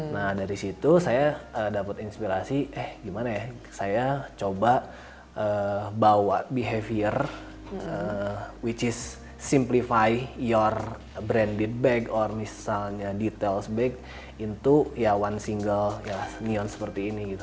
nah dari situ saya dapat inspirasi eh gimana ya saya coba bawa behavior which is simplify your branded back ore misalnya details bag itu ya one single neon seperti ini gitu